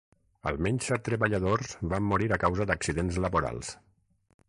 Almenys set treballadors van morir a causa d'accidents laborals.